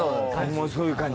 もうそういう感じ。